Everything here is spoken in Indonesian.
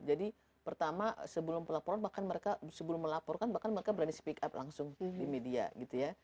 jadi pertama sebelum melaporkan bahkan mereka berani speak up langsung di media